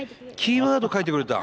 キーワード書いてくれた？